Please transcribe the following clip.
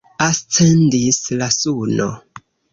Ascendis la suno.